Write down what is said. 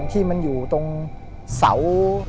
ที่มันอยู่ตรงเสา